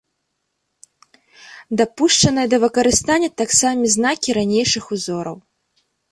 Дапушчаныя да выкарыстання таксама знакі ранейшых узораў.